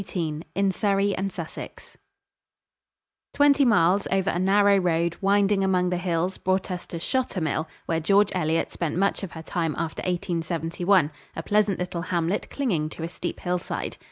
] XVIII IN SURREY AND SUSSEX Twenty miles over a narrow road winding among the hills brought us to Shottermill, where George Eliot spent much of her time after 1871 a pleasant little hamlet clinging to a steep hillside.